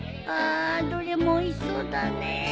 ああどれもおいしそうだねえ。